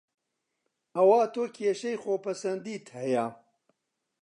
ئەوا تۆ کێشەی خۆ پەسەندیت هەیە